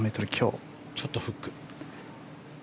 ちょっとフック。